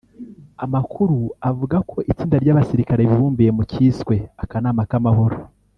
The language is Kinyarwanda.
Amakuru avuga ko itsinda ry’abasirikare bibumbiye mu cyiswe ‘akanama k’amahoro’